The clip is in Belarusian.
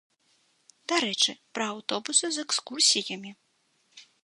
Дарэчы, пра аўтобусы з экскурсіямі.